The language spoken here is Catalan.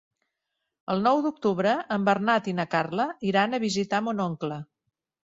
El nou d'octubre en Bernat i na Carla iran a visitar mon oncle.